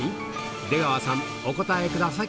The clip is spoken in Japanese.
出川さん、お答えください。